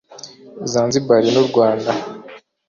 Zanzibar n’u Rwanda